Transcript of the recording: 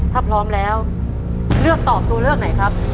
ถ้าพร้อมแล้วเลือกตอบตัวเลือกไหนครับ